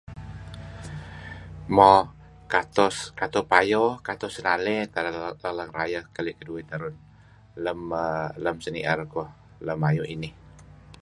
Mo katos kato payo kato senale teh leng rayeh keli keduwih terun seni'er kuh lem ayu inih